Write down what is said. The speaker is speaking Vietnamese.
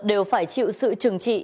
đều phải chịu sự trừng trị